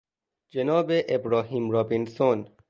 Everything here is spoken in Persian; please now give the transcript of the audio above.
جناب ابراهیم رابینسون